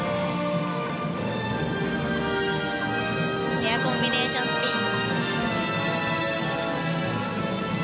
ペアコンビネーションスピン。